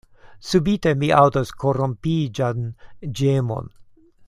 Subite, mi aŭdas korrompiĝan ĝemon.